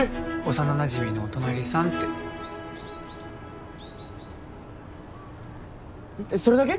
幼なじみのお隣さんってえっそれだけ？